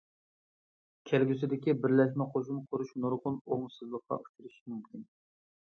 كەلگۈسىدىكى بىرلەشمە قوشۇن قۇرۇش نۇرغۇن ئوڭۇشسىزلىققا ئۇچرىشى مۇمكىن.